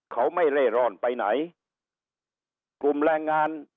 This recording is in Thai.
เขาไม่เร่อร่อนไปไหน